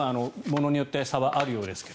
ものによって差はあるようですが。